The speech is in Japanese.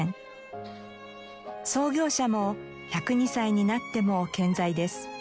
創業者も１０２歳になっても健在です。